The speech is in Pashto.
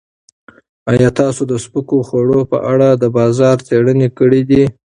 ایا تاسو د سپکو خوړو په اړه د بازار څېړنې کړې دي؟